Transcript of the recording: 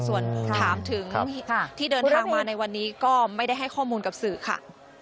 ส่วนถามถึงที่เดินทางมาในวันนี้ก็ไม่ได้ให้ข้อมูลกับสื่อค่ะ